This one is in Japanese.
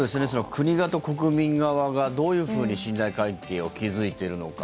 国側と国民側がどういうふうに信頼関係を築いているのか。